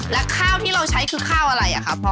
และค่าวที่เราใช้คือค่าวไรครับพ่อ